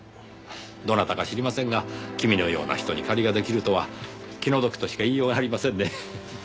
どなたか知りませんが君のような人に借りが出来るとは気の毒としか言いようがありませんね。